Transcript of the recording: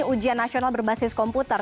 ujian nasional berbasis komputer